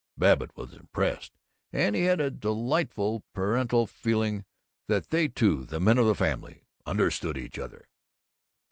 Babbitt was impressed, and he had a delightful parental feeling that they two, the men of the family, understood each other.